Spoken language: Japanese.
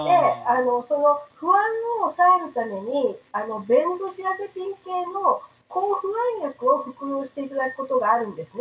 不安を抑えるために抗不安薬を服用していただくことがあるんですね。